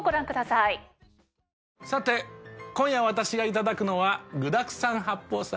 さて今夜私がいただくのは具だくさん八宝菜です。